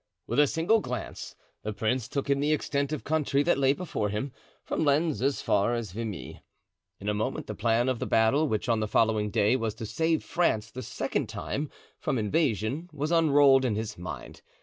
With a single glance the prince took in the extent of country that lay before him, from Lens as far as Vimy. In a moment the plan of the battle which on the following day was to save France the second time from invasion was unrolled in his mind.